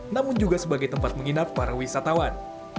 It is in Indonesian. namun juga sebagai tempat menginap para wisatawan